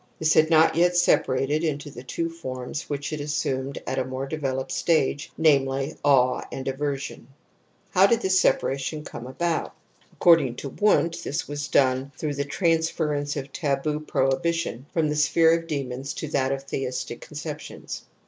This had not yet separated into the two forms which it assumed at a more developed stage, namely, awe and ayer^n. How did this separation come about ? Ac cording to Wundt, this was done through the transference of taboo prohibitions from the sphere of demons to that of theistic conceptions.